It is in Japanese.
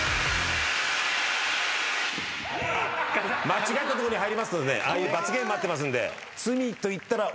間違ったとこに入りますとああいう罰ゲーム待ってますんで。